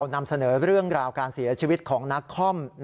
นำเสนอเรื่องราวการเสียชีวิตของนักคอม